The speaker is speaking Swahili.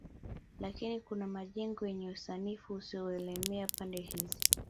Lakini kuna majengo yenye usanifu usioelemea pande hizi